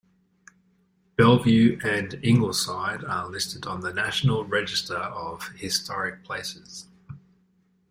Belleview and Ingleside are listed on the National Register of Historic Places.